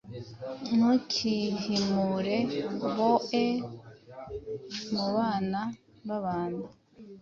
Ntukihimire boe mu Bana bAbantu,